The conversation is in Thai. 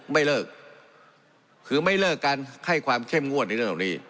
ไม่เลิกคือไม่เลิกการไข้ความเข้มงวดขึ้นถึงตรงนี้